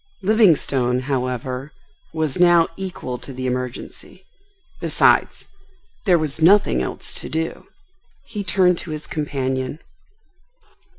Livingstone, however, was now equal to the emergency. Besides, there was nothing else to do. He turned to his companion.